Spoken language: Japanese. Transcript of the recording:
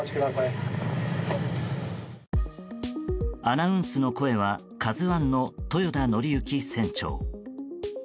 アナウンスの声は「ＫＡＺＵ１」の豊田徳幸船長。